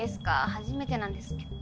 初めてなんですけど。